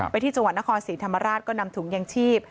ที่จังหวัดนครศรีธรรมราชก็นำถุงยางชีพ